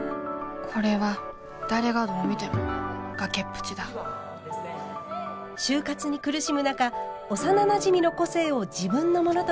これは誰がどう見ても崖っぷちだ就活に苦しむ中幼なじみの個性を自分のものとして偽った主人公。